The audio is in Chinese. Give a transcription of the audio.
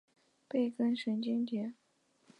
背根神经节。